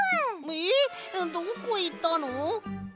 えっどこいったの！？